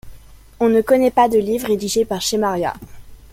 On ne connaît pas de livre rédigé par Shemarya.